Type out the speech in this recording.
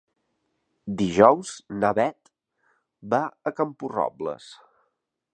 Dijous na Beth va a Camporrobles.